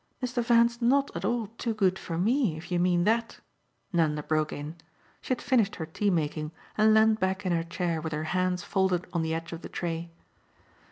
"Mr. Van's not at all too good for ME, if you mean that," Nanda broke in. She had finished her tea making and leaned back in her chair with her hands folded on the edge of the tray.